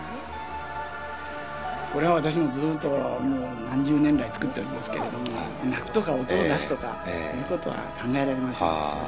これは私もずっと何十年来作ってるんですけれども、鳴くとか音を出すとかいうことは考えられませんですね。